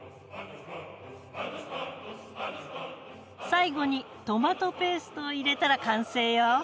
最後にトマトペーストを入れたら完成よ！